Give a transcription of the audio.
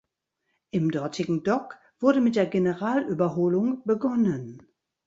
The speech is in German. Im dortigen Dock wurde mit der Generalüberholung begonnen.